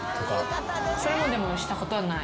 それもでもしたことはない？